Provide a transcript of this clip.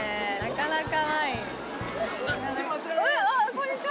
こんにちは。